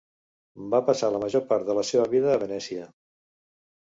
Va passar la major part de la seva vida a Venècia.